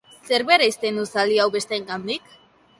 Zerk bereizten du zaldi hau besteengandik?